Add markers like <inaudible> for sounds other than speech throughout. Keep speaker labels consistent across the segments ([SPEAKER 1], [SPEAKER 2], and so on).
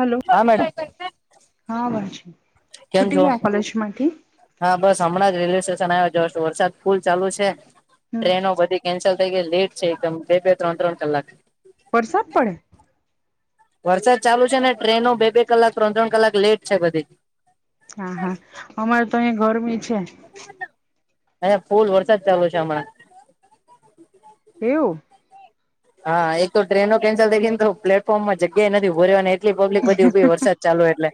[SPEAKER 1] Hello
[SPEAKER 2] હા madam
[SPEAKER 1] હા વા,
[SPEAKER 2] કેમ
[SPEAKER 1] છુટી
[SPEAKER 2] છો
[SPEAKER 1] ગયા કોલેજ માંથી
[SPEAKER 2] હા બસ હમણાં જ રેલવે સ્ટેશન આવ્યા જસ્ટ છો વરસાદ ફુલ ચાલુ છે,
[SPEAKER 1] હમ
[SPEAKER 2] ટ્રેનો બધી કેન્સલ ટ લેટ છે એકદમ બે-બે, ત્રણ-ત્રણ કલાક
[SPEAKER 1] વરસાદ પડે.
[SPEAKER 2] વરસાદ ચાલુ છે ને ટ્રેનો બે બે કલાક ત્રણ ત્રણ કલાક લેટ છે, બધી
[SPEAKER 1] હા હા અમારે તો અહીયાં ગરમી છે.
[SPEAKER 2] અયા ફૂલ વરસાદ ચાલુ છે, હમણા
[SPEAKER 1] એવું
[SPEAKER 2] હા એક તો ટ્રેનો કેન્સલ થઈ ને તો પ્લેટફોર્મમાં જગ્યા એ નથી ઉભો રહ્યા ની એ એટલી પબ્લિક બધી ઉભી વરસાદ ચાલુ એટલે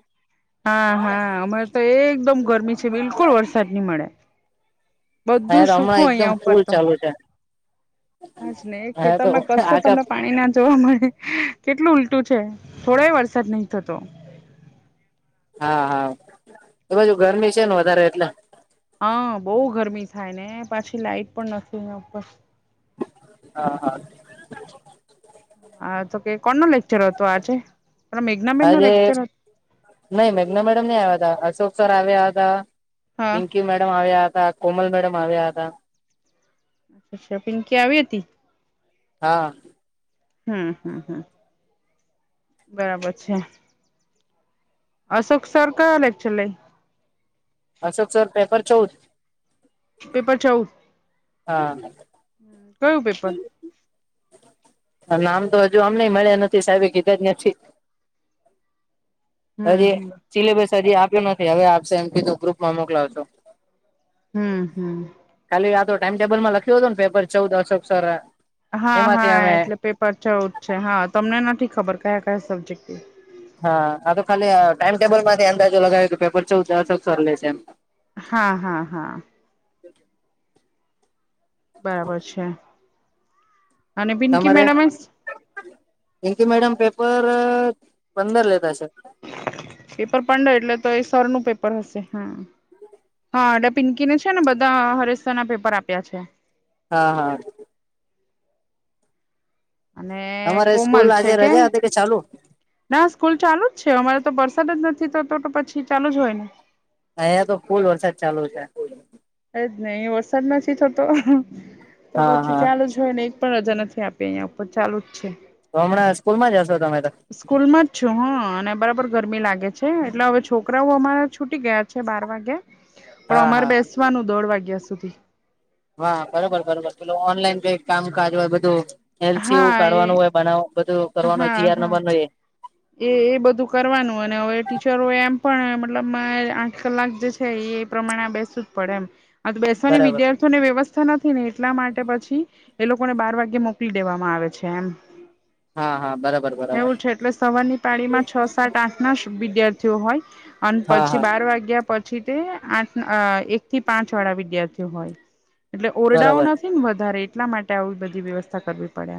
[SPEAKER 1] હા હા અમારે તો એકદમ ગરમી છે, બિલકુલ વરસાદ નહી મળે બધું
[SPEAKER 2] અહીંયા તો હમણાં
[SPEAKER 1] સુખું
[SPEAKER 2] એકદમ
[SPEAKER 1] અહિયાં ઉપર
[SPEAKER 2] ફૂલ
[SPEAKER 1] તો
[SPEAKER 2] ચાલુ છે
[SPEAKER 1] હાજ ને એ ખે
[SPEAKER 2] અહીંયા તો
[SPEAKER 1] તરમાં કશે
[SPEAKER 2] આખા
[SPEAKER 1] તમને પાણી ના જોવા મળે કેટલું ઉલટું છે, થોડો વરસાદ નહી થતો.
[SPEAKER 2] હા હા એ બાજુ ગરમી છેને, વધારે એટલે
[SPEAKER 1] હા બહુ ગરમી થાય ને પાછી લાઈટ પણ નથી ને ઉપર
[SPEAKER 2] હા હા
[SPEAKER 1] હા તો કે કોણ ન લેક્ચર હતો આજે મેઘનાબેન નો
[SPEAKER 2] આજે
[SPEAKER 1] લેક્ચર હતો
[SPEAKER 2] નહી મેઘ્ના મેડમ નહી આવ્યા ત અશોક સર આવ્યા હતા. પિંકી મેડમ આવ્યા હતા, કોમલ મેડમ આવ્યા હતા.
[SPEAKER 1] અચ્છા પિંકી આવી હતી
[SPEAKER 2] હા
[SPEAKER 1] હમ હમ હમ બરાબર છે. અશોક સર કયો લેક્ચર લઈ
[SPEAKER 2] અશોક સર પેપર ચૌદ
[SPEAKER 1] પેપર ચૌઉ
[SPEAKER 2] હા
[SPEAKER 1] હ કયું પેપર
[SPEAKER 2] નામ તો હજુ અમને મળ્યા નથી સાહેબે કીધા ન્યઠી
[SPEAKER 1] હમ
[SPEAKER 2] હજી
[SPEAKER 1] હમ
[SPEAKER 2] સિલેબસ હજી આપ્યો નથી હવે આપશે એમ કીધું ગ્રુપમાં મોકલાવશો.
[SPEAKER 1] હમ હમ
[SPEAKER 2] ખાલી આ તો ટાઈમ ટેબલ માં લખ્યું તું ને પેપર ચૌદ અશોક સર
[SPEAKER 1] હા
[SPEAKER 2] એમાંથી
[SPEAKER 1] હા
[SPEAKER 2] અમે
[SPEAKER 1] એટલે પેપર ચૌદ છે હા તમને નથી ખબર કયા કયા સબ્જેક્ટ
[SPEAKER 2] હા આ તો ખાલી ટાઈમટેબલ માંથી અંદાજો લગાવ્યો કે પેપર ચૌદ અશોક સર લે છે એમ
[SPEAKER 1] હા હા હા બરાબર છે અને પિંકી મેડમે
[SPEAKER 2] પિન્કી મેડમ પેપર પંદર લેતા હશે.
[SPEAKER 1] પેપર પંદર એટલે તો એ સરનું પેપર હશે હા હા એટલે પિંકીને છે ને બધા હરેશ્ સર ના પેપર આપ્યા છે.
[SPEAKER 2] હા હા
[SPEAKER 1] અને
[SPEAKER 2] તમારે
[SPEAKER 1] કોમલ
[SPEAKER 2] સ્કૂલ
[SPEAKER 1] છે
[SPEAKER 2] આજે
[SPEAKER 1] કે
[SPEAKER 2] રજા હતી ચાલુ
[SPEAKER 1] ના સ્કૂલ ચાલુ જ છે અમારે તો વરસાદ જ નથી થતો તો પછી ચાલુ જ હોય ને.
[SPEAKER 2] અહિયાંયા તો ફુલ વરસાદ ચાલુ છે.
[SPEAKER 1] એજ નહી વરસાદ નથી થતો તો
[SPEAKER 2] હા
[SPEAKER 1] પછી
[SPEAKER 2] હા
[SPEAKER 1] ચાલુ જ જો એને એક પણ રજા નથી આપી અહીં ઉપર ચાલુ જ છે.
[SPEAKER 2] તો હમણાં સ્કૂલ માં જ હશો તમે તો
[SPEAKER 1] સ્કૂલ માં જ છું હા અને બરાબર સ્કૂલમાં છું હ ગરમી લાગે છે એટલે હવે છોકરાઓ અમારા છૂટી ગયા છે બાર વાગે પણ
[SPEAKER 2] હા
[SPEAKER 1] અમારે
[SPEAKER 2] હા
[SPEAKER 1] બેસવાનું દોઢ વાગ્યા સુધી
[SPEAKER 2] હા બરોબર બરોબર પેલો ઓનલાઈન કઈ કામકાજ હોય બધું. એલસીવું
[SPEAKER 1] હા એ
[SPEAKER 2] કાઢવાનું હોય બનાવ બધું કરવાનું હોય
[SPEAKER 1] હા
[SPEAKER 2] જીઆર
[SPEAKER 1] હા
[SPEAKER 2] નંબર ન એ
[SPEAKER 1] એ એ બધું કરવાનું અને હવે ટીચરો એમ પણ મતલબ મા આઠ કલાક જે એ પ્રમાણે આ બેસવુ જ પડે એમ આ બેસવાની
[SPEAKER 2] બરાબર
[SPEAKER 1] વિદ્યાર્થી ને વ્યવસ્થા નથી ને એટલા માટે પછી એ લોકોને બાર વાગે મોકલી દેવામાં આવે છે એમ
[SPEAKER 2] હા હા બરાબર બરાબર
[SPEAKER 1] એવું છે એટલે સવારની પાળીમાં છ સાત આઠ ના વિદ્યાર્થીઓ હોય અને
[SPEAKER 2] હા
[SPEAKER 1] પછી
[SPEAKER 2] હા
[SPEAKER 1] બાર વાગ્યા પછી પછી તે આઠ એક થી પાંચ વાળા વિદ્યાર્થીઓ હોય એટલે ઓરડાઓ
[SPEAKER 2] બરાબર
[SPEAKER 1] ને વધારે એટલા માટે આવી બધી વ્યવસ્થા કરવી પડે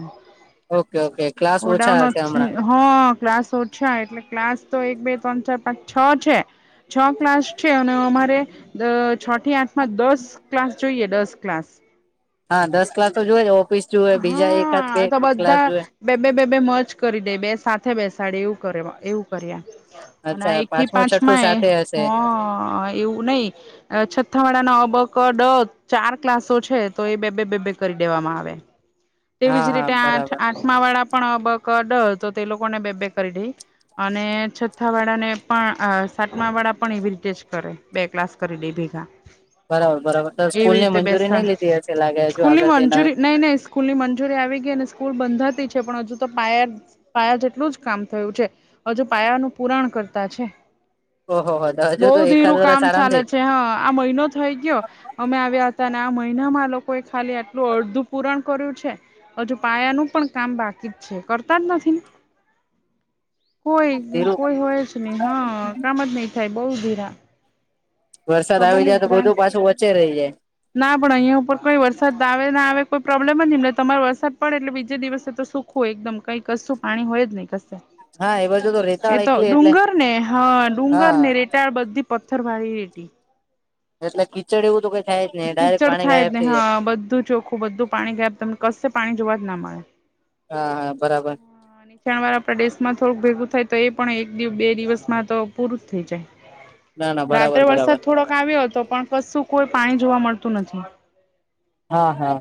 [SPEAKER 2] ઓકે ઓકે ક્લાસ
[SPEAKER 1] ઓરડાઓ
[SPEAKER 2] ઓછા હશે હમણાં
[SPEAKER 1] નથી હા ક્લાસ ઓછા એટલે ક્લાસ તો એક બે ત્રણ ચાર પાંચ છ છે. છ ક્લાસ છે અને અમારે દ છ થી આઠમાં દસ ક્લાસ જોઈએ દસ ક્લાસ
[SPEAKER 2] હા દસ ક્લાસ તો જોવે ઓફિસ જોવે બીજા એકાથ બે ક્લાસ જોવે
[SPEAKER 1] બેબ બેબે મજ કરી દે બે સાથે બેસાડી એવું કર એવું કર્યા અને
[SPEAKER 2] અચ્છા
[SPEAKER 1] એક થી
[SPEAKER 2] પાંચમું છઠ્ઠું
[SPEAKER 1] પાંચમાં એ
[SPEAKER 2] સાથે
[SPEAKER 1] હ
[SPEAKER 2] હશે
[SPEAKER 1] એવું નઈ આ છઠ્ઠા વાળા ના અ બ ક ડ ચાર ક્લાસો છે તો એ બે બેે બે બેે કરી દેવામાં આવે તેવી
[SPEAKER 2] હા
[SPEAKER 1] જ
[SPEAKER 2] હા
[SPEAKER 1] રીતે આઠ
[SPEAKER 2] બરાબર
[SPEAKER 1] આઠમા વાળા પણ અબ ક ડ તો તે લોકોને બે બે કરી દઈ અને છથ્થા વાડાા ને પણ અ સાતમાવાડાા પણ એવી રીતે જ કરે બે ક્લાસ કરી દઈ ભેગા
[SPEAKER 2] બરાબર બરાબર તો સ્કૂલ
[SPEAKER 1] એવી
[SPEAKER 2] ની
[SPEAKER 1] રીતે
[SPEAKER 2] મંજૂરી
[SPEAKER 1] બેસા
[SPEAKER 2] નઈ લીધી હશે લાગે હજુ
[SPEAKER 1] સ્કૂલ ની
[SPEAKER 2] આગળ જઈને
[SPEAKER 1] મંજૂરી નહી નહી સ્કૂલની મંજૂરી આવી ગઈ અને સ્કૂલ બંધતી છે પણ હજુ તો પાયર પાયા જેટલું જ કામ થયું છે હવે જો પાયાનુંું પુરાણ કરતા છે
[SPEAKER 2] ઓહો હો હજુ
[SPEAKER 1] બઉ
[SPEAKER 2] તો એકાદ
[SPEAKER 1] ધીરું
[SPEAKER 2] વર્ષ
[SPEAKER 1] કામ
[SPEAKER 2] આરામથી
[SPEAKER 1] ચાલે છે હા આ મહિનો થઈ ગયો અમે આવ્યા હતા અને આ મહિનામાં આ લોકો એ ખાલી આટલું અડધું પૂરણ કર્યું છે હજુ પાયા નું પણ કામ બાકી જ છે કરતા જ નથીન કોઈ
[SPEAKER 2] ધીરું
[SPEAKER 1] કોઈ હોય જ નહી હા કામ જ નહી થાય બઉુ ધીરા
[SPEAKER 2] વરસાદ
[SPEAKER 1] ખબર
[SPEAKER 2] આવી જાય
[SPEAKER 1] નહ
[SPEAKER 2] તો
[SPEAKER 1] ગ્રાન
[SPEAKER 2] બધું પાછું વચ્ચે રહી જાય
[SPEAKER 1] ના પણ અહં ઉપર કોઈ વરસાદ આવે ના આવે કોઈ પ્રોબ્લેમ જ ન એમને તમારે વરસાદડે એટલે બીજે દિવસે તો સુખ આખું એકદમ કઈ કશું પાણી હોય જ નહી ક
[SPEAKER 2] હા એ બાજુ તો રેતાળ
[SPEAKER 1] એતો
[SPEAKER 2] એકલી એટલે
[SPEAKER 1] ડુંગર ને હા ડુંગર
[SPEAKER 2] હા
[SPEAKER 1] ને રે અતાર બધી પથ્થર મારી રે
[SPEAKER 2] એટલે કીચડ એવું તો કઈ થાય જ નહી ડાયરેક્ટ
[SPEAKER 1] કીચડ
[SPEAKER 2] પાણી
[SPEAKER 1] થાય
[SPEAKER 2] ગાયબ
[SPEAKER 1] જ ને
[SPEAKER 2] થઈ જાય
[SPEAKER 1] હા બધું ચોખ્ખું બધું પાણી ગયા તમને કશે પાણી જોવા જ ના મળે
[SPEAKER 2] હા હા બરાબર
[SPEAKER 1] ણ વાર આપણા દેશ માં થોડું ભેગું થાય તો એ પણ એક દિવ બે દિવસમાં તો પૂરું જ થઈ જાય
[SPEAKER 2] ના ના
[SPEAKER 1] રાત્રે
[SPEAKER 2] બરાબર બરાબર
[SPEAKER 1] વરસાદ થોડોક આવ્યો હતો પણ કશું કોઈ પાણી જોવા મળતું નથી
[SPEAKER 2] હા હા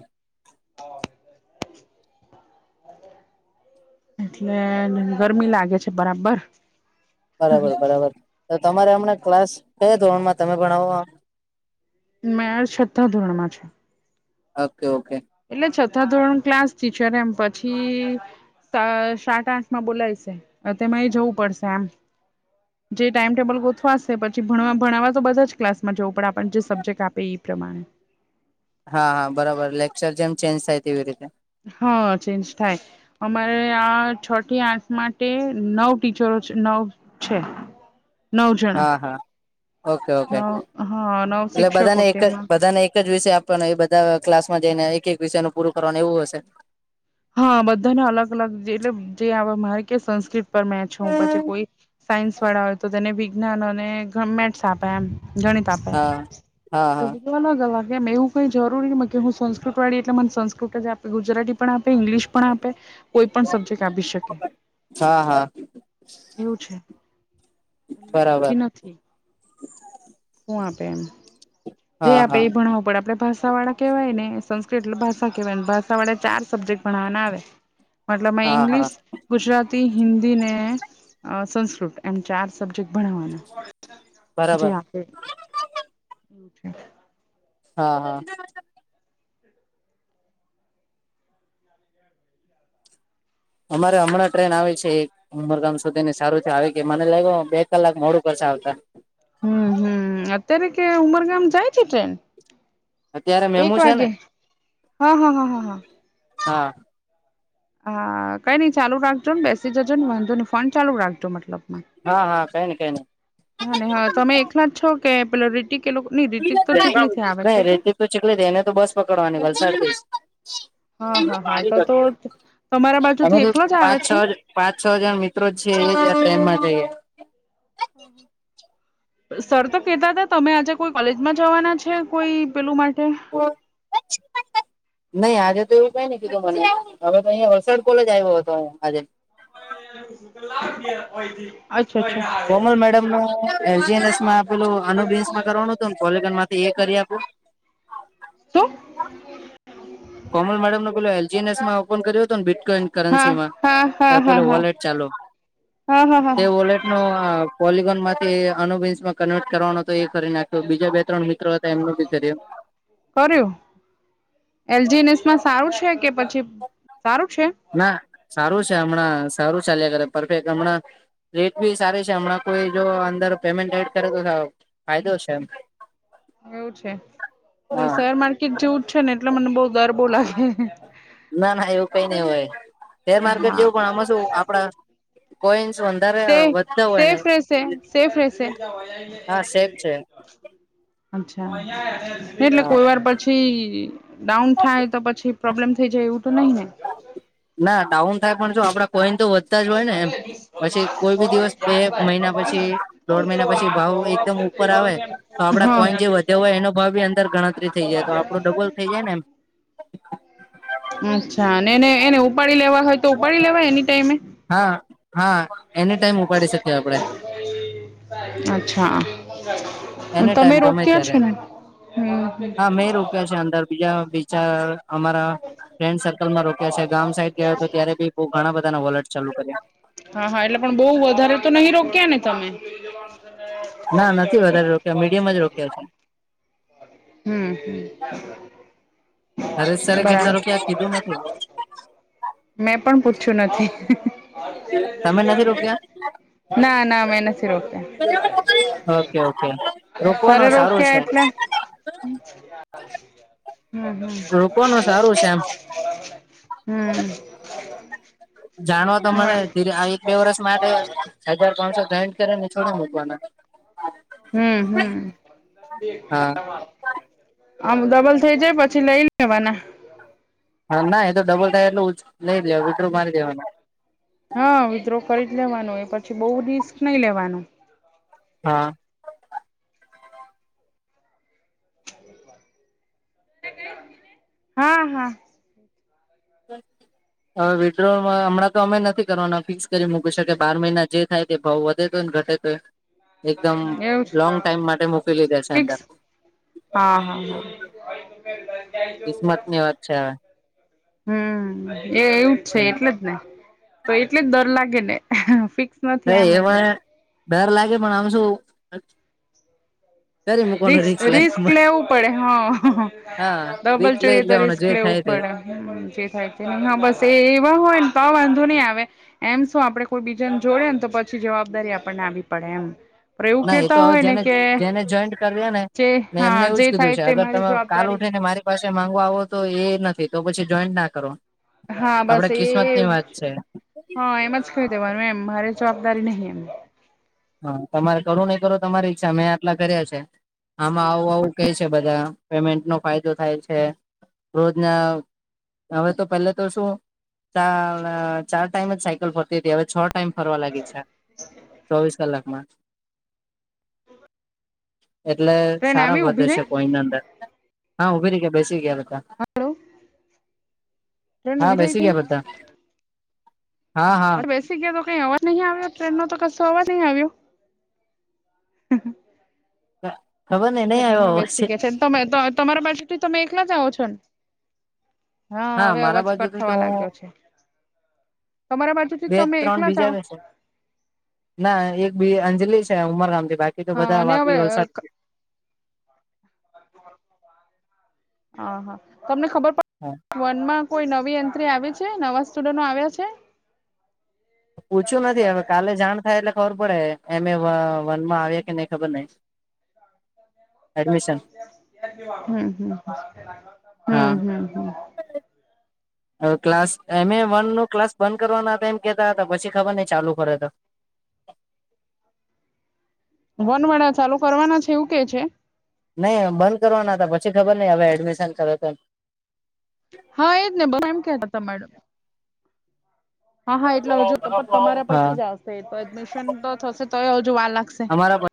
[SPEAKER 1] એ ગરમી લાગે છે બરાબર
[SPEAKER 2] બરાબર બરાબર તો તમારે હમને ક્લાસ છે ધોરણમાં તમે પણ આવ
[SPEAKER 1] મેળ છતાં ધોરણ માં છે
[SPEAKER 2] ઓકે ઓકે
[SPEAKER 1] એટલે છતાં ધોરણ ક્લાસ ટીચર એમ પછી સાત આઠ માં બોલાય છે તેમાં એ જવું પડશે આમ જે ટાઈમટેબલ ગોથવાશે પછી ભણ ભણાવવા તો બધા જ ક્લાસમાં જવું પડે આપને જે સબ્જેક્ટ આપે એ પ્રમાણે
[SPEAKER 2] હા હા બરાબર લેક્ચર જેમ ચેન્જ થાય તેવી રીતે.
[SPEAKER 1] હા ચેન્જ થાય. અમારે આ છ થી આઠ માટે નવ ટીચરો છે, નવ છે નવ જણા
[SPEAKER 2] હા હા ઓકે ઓકે
[SPEAKER 1] નવ હા નવ
[SPEAKER 2] એટલે
[SPEAKER 1] શિક્ષકો
[SPEAKER 2] બધાને એક જ
[SPEAKER 1] તેમાં
[SPEAKER 2] બધાને એક જ વિશે આપ પણ એ બધા ક્લાસમાં જઈને એક એક વિષયનું પૂરું કરવાનું એવું હશે.
[SPEAKER 1] હા બધાને અલગ અલગ જે એટલે જે મારે કે સંસ્કૃત મે છુ
[SPEAKER 2] હા
[SPEAKER 1] પછી કોઈક સાયન્સ વાળા હોય તો તેને બી વિજ્ઞાનોને ધનમેટ્સ આપે એમ ગણિત આપે
[SPEAKER 2] હા હા
[SPEAKER 1] એ અલગ અલગ એમ એવું કઈ જરૂરી મ કે હું સંસ્કૃત વાળી એટલે મને સંસ્કૃત જ આપી ગુજરાતી પણ આપ ઇંગ્લિશ પણ આપે, કોઈ પણ સબ્જેક્ટ આપી શકે.
[SPEAKER 2] હા હા હા
[SPEAKER 1] એવું છે, એટલે
[SPEAKER 2] બરાબર
[SPEAKER 1] નક્કી નથી. શું આપે એમ, જે
[SPEAKER 2] હા
[SPEAKER 1] આપે
[SPEAKER 2] હા
[SPEAKER 1] એ ભણાવું પડે આપડે ભાષા વાળા. કેવાય ને સંસ્કૃત એટલે ભાષા કેવાય, ભાષા વાડે ચાર સબ્જેક્ટ ભણવાના આવે. મતલબ મે
[SPEAKER 2] હા હા
[SPEAKER 1] ઇંગ્લિશ, ગુજરાતી, હિન્દી ને અ સંસ્કૃત એમ ચાર સબ્જેક્ટ ભણાવવાના જે
[SPEAKER 2] બરાબર
[SPEAKER 1] આપણે <inaudible>
[SPEAKER 2] હા હા. અમારે હમણાં ટ્રેન આવે છે એક ઉમરગામ સુધી ને સારું થ આવી ગય મને લાગ બે કલાક મોડું કરછ આવતા
[SPEAKER 1] હમ હમ અત્યારે કે ઉમરગામ જાય છે ટ્રેન
[SPEAKER 2] અત્યારે
[SPEAKER 1] એક
[SPEAKER 2] મેમુ છે ને,
[SPEAKER 1] વાગે હા હા હા હા હા
[SPEAKER 2] હા
[SPEAKER 1] હા કઈ નઈ ચાલુ રાખજો બેસી જજો ને વાંધો ન ફોન ચાલુ રાખજો મતલબમાં
[SPEAKER 2] હા હા કઈ નને કઈ નને
[SPEAKER 1] હા ને હા તમે એકલા જ છો કે, પેલા રીતિક એ લોકો નહી રીતિક તો
[SPEAKER 2] નઈ
[SPEAKER 1] ચીખલી થી આવે છે
[SPEAKER 2] નઈ
[SPEAKER 1] કે
[SPEAKER 2] રેતી તો ચીકલી દે એને તો બસ પકડવાની વલસાડ
[SPEAKER 1] હા
[SPEAKER 2] થી
[SPEAKER 1] હા
[SPEAKER 2] જ
[SPEAKER 1] હા તો
[SPEAKER 2] પાણી
[SPEAKER 1] તો તમારા બાજુ
[SPEAKER 2] <unintelligible> અમે
[SPEAKER 1] થી
[SPEAKER 2] તો
[SPEAKER 1] એકલો જ આવે
[SPEAKER 2] પાંચ છ
[SPEAKER 1] છે
[SPEAKER 2] જ પાંચ છ જજણ મિત્રો છે <inaudible> એમાં જઈએ.
[SPEAKER 1] હમ હ સર તો કેતા હતા તમે આજે કોઈ કોલેજમાં જવાના છે કોઈ પેલું માટે
[SPEAKER 2] ઓ <unintelligible> નહી આજે તો એવું કઈ ની કીધું મને, હવે તો અહીંયા વલસાડ કોલેજ આવ્યો હતો આજે.
[SPEAKER 1] લ હોયથી. અચ્છા અચ્છા.
[SPEAKER 2] કોમલ મેડમ નુ એજીનસમાં આપેલું અનુબેસ મા કરવાનું હતું ને કોલેગન માંથી એ કરી આપું
[SPEAKER 1] તો
[SPEAKER 2] કોમલ મેડમને પેલો એલજી એસ માં ઓપન કર્યો હતો ને બીટકોઈન
[SPEAKER 1] હા
[SPEAKER 2] કરન્સીમાં,
[SPEAKER 1] હા હા હા
[SPEAKER 2] પેલું
[SPEAKER 1] હા
[SPEAKER 2] વોલેટ ચાલુ,
[SPEAKER 1] હા હા હા
[SPEAKER 2] તે વોલેટ પોલગોન માંથી અનુબન્સમાં કન્વર્ટ કરવાનો. તો એ કરી નાખ્યો બીજા બે ત્રણ મિત્રો હતા એમનુ બી કર્યું.
[SPEAKER 1] કર્યું એલજીનસમાં સારું છે, કે પછી સારું છે.
[SPEAKER 2] ના સારું છે, હમણાં સારું ચાલ્યા કરે પરફેક્ટ હમણા રેટ બી સારી છે હમણાં કોઈ જો અંદર પેમેન્ટ રેટ કરે તો ફાયદો છે, એમ
[SPEAKER 1] એવું છે, પણ શેર માર્કેટ જેવું જ છે ને એટલે મને બહુ ડર બો લાગે.
[SPEAKER 2] ના ના એવું કઈ નઈ હોય શેર માર્કેટ
[SPEAKER 1] હા
[SPEAKER 2] જેવું પણ આમાં શું આપડા કોઈસ હોન્ડર
[SPEAKER 1] સેફ સેફ રહેશે સેફ રહેશે.
[SPEAKER 2] હા સેફ છે
[SPEAKER 1] અચ્છા એટલે
[SPEAKER 2] હા
[SPEAKER 1] કોઈ વાર પ પછી ડાઉન થાય તો પછી પ્રોબ્લેમ થઈ જાય એવું તો નહીં ને
[SPEAKER 2] ના ડાઉ એન થાય પણ જો આપડા કોઈન તો વધ તાજ હોય નેમ પછી કોઈ બી દિવસ બે મહિના પછી દોઢ મહિના પછી ભાવ એકદમ ઉ ઉપર આવે તો આપણા
[SPEAKER 1] હા
[SPEAKER 2] કોઈન જે વધ્યો હોય એનો ભાવ ભી અંદર ગણતરી થઈ જાય, તો આપણું ડબલ થઈ જાય ને એમ
[SPEAKER 1] અચ્છા અને એને એને ઉપાડી લેવા હોય તો ઉપાડી લેવાય એની ટાઈમે
[SPEAKER 2] હા હા, એની ટાઈમ ઉપાડી શકીએ આપણે
[SPEAKER 1] અચ્છા
[SPEAKER 2] એની
[SPEAKER 1] તમે
[SPEAKER 2] ટાઈમ ગમે
[SPEAKER 1] રોક્યા છો,
[SPEAKER 2] ત્યારે
[SPEAKER 1] ને હમમ હમમ
[SPEAKER 2] હા મેં અંદર બીજા બે ચાર અમારા ફ્રેન્ડ સર્કલ રોક છે ગામ સાઈડ ગયા હતો ત્યારે બહુ ઘણા બધા ના વોલટ ચાલુ કર્યા
[SPEAKER 1] હા હા એટલે પણ બહુ વધારે તો નહી રોક્યા ને તમે બીજે માનું <unintelligible> તે
[SPEAKER 2] ના નથી વધારે રોક્યા મીડિયમ જ રોક્યા છે.
[SPEAKER 1] હમ્મ
[SPEAKER 2] નરેશ સરે કેટલા રોક્યા કીધું નથી.
[SPEAKER 1] મેં પણ પૂછ્યું નથી.
[SPEAKER 2] તમે નથી રોક્યા
[SPEAKER 1] ના ના મેં નથી
[SPEAKER 2] ઓકે
[SPEAKER 1] રોક્યા
[SPEAKER 2] ઓકે
[SPEAKER 1] સરે
[SPEAKER 2] રોકવાનું સારું
[SPEAKER 1] રોક્યા
[SPEAKER 2] છે.
[SPEAKER 1] એટલે હમ
[SPEAKER 2] રોકવાનું
[SPEAKER 1] હમમ
[SPEAKER 2] સારું છે એમ.
[SPEAKER 1] હમમ હમમ
[SPEAKER 2] જા હજાર પાંચસો ગાન્ડ કરે ને છોડી, મૂકવાના
[SPEAKER 1] હમ્મ હમ્મ
[SPEAKER 2] હા
[SPEAKER 1] આમ ડબલ થઇ જાય પછી લઈ લેવાના
[SPEAKER 2] હા ના એ તો ડબલ થાય એટલે લઈ લેવા વિદ્રો મારી દેવાના
[SPEAKER 1] હા વિદ્રોહ કરી જ લેવાનો એ પછી.
[SPEAKER 2] હા
[SPEAKER 1] હા હા
[SPEAKER 2] હવે વિડ્રોલ હમણાં તો અમે નથી કરવાના ફિક્સ કરી મૂકી શકે બાર મહિના જે થાય જે ભાવ વધે તો ને ઘટે તોય એકદમ
[SPEAKER 1] એવું
[SPEAKER 2] લોંગ ટાઈમ માટે મૂકી દીધા છે
[SPEAKER 1] ફિક્સ
[SPEAKER 2] અંદર.
[SPEAKER 1] હા હા હા <inaudible>
[SPEAKER 2] કિસ્મતની વાત છે હવે
[SPEAKER 1] હમ એ એવું જ છે,
[SPEAKER 2] હમ
[SPEAKER 1] એટલે જ ને તો એટલે જ ડર લાગે ને
[SPEAKER 2] હ
[SPEAKER 1] નથી એમ
[SPEAKER 2] એમાં
[SPEAKER 1] એનું
[SPEAKER 2] ડર લાગે પણ આમ શ
[SPEAKER 1] રિસ્ક રિસ્ક લેવું પડે હા
[SPEAKER 2] હા
[SPEAKER 1] ડબલ
[SPEAKER 2] રિક્સ લઈ
[SPEAKER 1] જોઈએ તો
[SPEAKER 2] લેવાનું
[SPEAKER 1] રિસ્ક
[SPEAKER 2] જે
[SPEAKER 1] લેવું
[SPEAKER 2] થાય તે
[SPEAKER 1] પડે જે થાય તે હા બસ એ એવા હોય ને તો આ વાંધો નહી આવે એમ શું આપણે કોઈ બીજાને જોઈએ ને તો પછી જવાબદારી આપણને આવી પડે એમ પણ એવું
[SPEAKER 2] ના એ તો
[SPEAKER 1] કેતા
[SPEAKER 2] હવે
[SPEAKER 1] હોય ને
[SPEAKER 2] જેને
[SPEAKER 1] કે
[SPEAKER 2] જેને જોઈન્ટ કર્યા ને
[SPEAKER 1] જે
[SPEAKER 2] મેં એમને
[SPEAKER 1] હા
[SPEAKER 2] એવું જ
[SPEAKER 1] જે
[SPEAKER 2] કીધું
[SPEAKER 1] થાય
[SPEAKER 2] છે
[SPEAKER 1] તે
[SPEAKER 2] અગર
[SPEAKER 1] મારી
[SPEAKER 2] તમે કાલ
[SPEAKER 1] જવાબદારી
[SPEAKER 2] ઉઠીને મારી પછે માંગવા આવો તો એ નથી તો પછી જોઈન ના કરો.
[SPEAKER 1] હા બસ
[SPEAKER 2] આપડે
[SPEAKER 1] એ
[SPEAKER 2] કિસ્મત ની
[SPEAKER 1] એવું
[SPEAKER 2] વાત
[SPEAKER 1] જ
[SPEAKER 2] છે
[SPEAKER 1] હહ એમ જ કઈ દેવાનું એમ મારે જવાબદારી નહીં એમાં.
[SPEAKER 2] હહ તમારે કરવું નહીં કરવું તમારી ઈચ્છા મેં આટલા કર્યા છે. આમાં આવું આવું કે છે બધા પેમેન્ટનો ફાયદો થાય છે. રોજના હવે તો પહેલે તો શું ચાણ ચાર ટાઈમ જ સાયકલ ફરતી હતી હવે છ ટાઈમ ફરવા લાગી છા ચોવીસ કલાકમાં. એટલે
[SPEAKER 1] ટ્રેન
[SPEAKER 2] સારા
[SPEAKER 1] આવી
[SPEAKER 2] વધે
[SPEAKER 1] ઉભી
[SPEAKER 2] છે
[SPEAKER 1] રહી
[SPEAKER 2] કોઈન અંદર હા ઉભી રહી ગયા બેસી ગયાતા. કા
[SPEAKER 1] હલો ટ્રેન
[SPEAKER 2] હા
[SPEAKER 1] ઉભી રહી
[SPEAKER 2] બેસી
[SPEAKER 1] ગઈ
[SPEAKER 2] ગયા બધાં. હા હા.
[SPEAKER 1] અરે બેસી ગયા તો કઈ અવાજ નહી આવ્યો. ટ્રેનનો તો કશો અવાજ નહીં આવ્યો.
[SPEAKER 2] <inaudible> નઈ
[SPEAKER 1] અચ્છા
[SPEAKER 2] નહી આવ્યો
[SPEAKER 1] ટ્રેનમાં
[SPEAKER 2] અવાજ
[SPEAKER 1] બેસી ગયા છે ને તમે તો તમારા બાજુથી તમે એકલા જ આવો છો ને? હહ
[SPEAKER 2] હા
[SPEAKER 1] હવે
[SPEAKER 2] મારા
[SPEAKER 1] અવાજ કટ
[SPEAKER 2] બાજુથી તો
[SPEAKER 1] થવા
[SPEAKER 2] હું
[SPEAKER 1] લાગ્યો છે. તમારા બાજુથી
[SPEAKER 2] બે
[SPEAKER 1] તમે
[SPEAKER 2] ત્રણ
[SPEAKER 1] એકલા જ
[SPEAKER 2] બીજા
[SPEAKER 1] આઓ
[SPEAKER 2] બેસે ના એક બે અંજલી છે ઉમર ગામથી બાકી તો
[SPEAKER 1] હા
[SPEAKER 2] બધા
[SPEAKER 1] અને હવે
[SPEAKER 2] વાપી, વલસાડ.
[SPEAKER 1] <inaudible> અ હહ તમને ખબર પડ
[SPEAKER 2] હહ
[SPEAKER 1] વનમાં કોઈ નવી એન્ટ્રી આવી છે, નવા સ્ટુડન્ટો આવ્યા છે?
[SPEAKER 2] પૂછ્યું નથી હવે કાલે જાણ થાય એટલે ખબર પડે, એમે વનમાં આવ્યા કે નહી ખબર નઈ. <unintelligible>
[SPEAKER 1] <inaudible> <inaudible> હમ હમ હમ હમ
[SPEAKER 2] હા
[SPEAKER 1] હમ હમ.
[SPEAKER 2] હવે ક્લાસ એમ એ વનનું ક્લાસ બંધ કરવાના હતા એમ કેતા હતા પછી ખબર નહીં ચાલુ કરે તો.
[SPEAKER 1] વનવાળા ચાલુ કરવાના છે એવું કે છે?
[SPEAKER 2] નહી બંધ કરવાના હતા પછી ખબર નહીં હવે એડમિશન કરે તો એમ
[SPEAKER 1] હા એજ ને <inaudible> એમ કેતાતા મેડમ. હા હા એટલે હજુ તો પણ તમારા
[SPEAKER 2] હા
[SPEAKER 1] પછી જ આવશે એ તો એડમિશન તો થશે તોય હજુ વાર લાગશે.
[SPEAKER 2] બરાબર